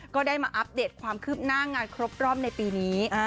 ก็ได้มาอัปเดตความคืบหน้างานครบรอบในปีนี้